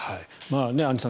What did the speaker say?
アンジュさん